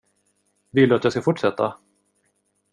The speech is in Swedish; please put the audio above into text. Vill du att jag ska fortsätta?